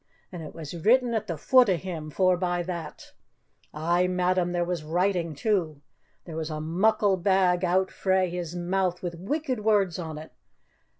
And it was written at the foot o' him, forbye that. Ay, madam, there was writing too. There was a muckle bag out frae his mou' wi' wicked words on it!